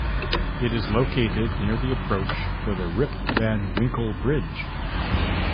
It is located near the approach for the Rip Van Winkle Bridge.